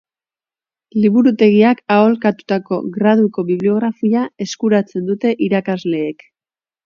Liburutegiak aholkatutako Graduko bibliografia eskuratzen dute irakasleek.